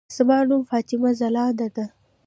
زما نوم فاطمه ځلاند ده.